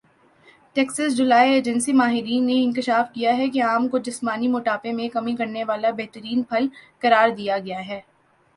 Texas جولائی agency ماہرین نے انکشاف کیا ہے کہ آم کو جسمانی موٹاپے میں کمی کرنے والا بہترین پھل قرار دیا گیا ہے